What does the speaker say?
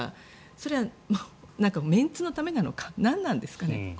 それはメンツのためなのか何なんですかね。